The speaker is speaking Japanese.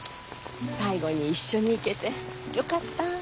最後に一緒に行けてよかった。